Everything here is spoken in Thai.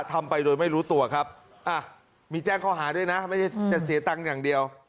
ทำไปโดยไม่รู้ตัวครับอ่ะมีแจ้งข้อหาด้วยนะไม่ใช่จะเสียตังค์อย่างเดียว